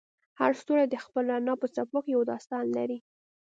هر ستوری د خپل رڼا په څپو کې یو داستان لري.